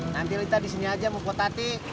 nanti lita disini aja mau potati